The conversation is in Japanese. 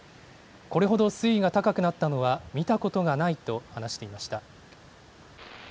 これほど水位が高くなったのは、見たことがないと話していました。